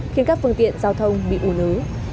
khiến các phương tiện giao thông bị ủ nứ